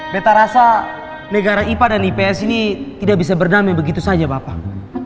peta rasa negara ipa dan ips ini tidak bisa berdamai begitu saja bapak